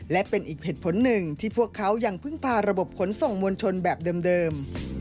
และเป็นอีกเหตุผลหนึ่งที่พวกเขายังพึ่งพาระบบขนส่งมวลชนแบบเดิม